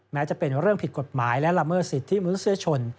จะเป็นเรื่องผิดกฎหมายและละเมิดสิทธิมนุษยชน